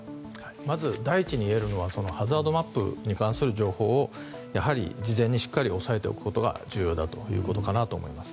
まず第一に言えるのはハザードマップに関する情報を事前にしっかり押さえておくことが重要だと思います。